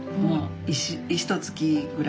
ひとつきぐらい。